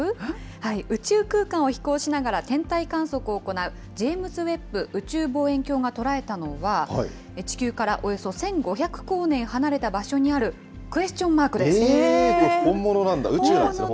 宇宙空間を飛行しながら天体観測を行う、ジェームズ・ウェッブ宇宙望遠鏡が捉えたのは、地球からおよそ１５００光年離れた場所にあるクエスチョンマーク本物なんだ？